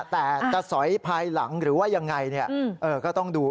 แต่จะสอยภายหลังหรือว่ายังไงก็ต้องดู